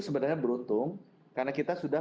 sebenarnya beruntung karena kita sudah